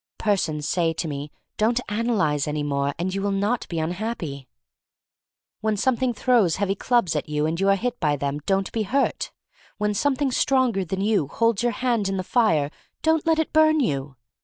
Persons say to me, don't analyze any more and you will not be unhappy. When Something throws heavy clubs at you and you are hit by them, don't be hurt. When Something stronger than you holds your hands in the fire, don't let it burn you.